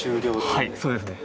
はいそうですね。